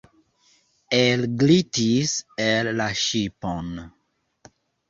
Elglitis el la ŝipon.